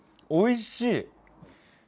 おいしい！